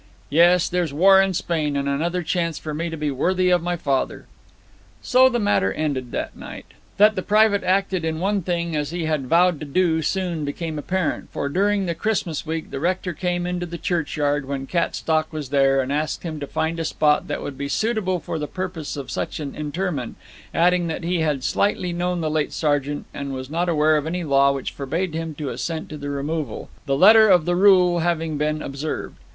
'Yes, there's war in Spain; and another chance for me to be worthy of father.' So the matter ended that night. That the private acted in one thing as he had vowed to do soon became apparent, for during the Christmas week the rector came into the churchyard when Cattstock was there, and asked him to find a spot that would be suitable for the purpose of such an interment, adding that he had slightly known the late sergeant, and was not aware of any law which forbade him to assent to the removal, the letter of the rule having been observed.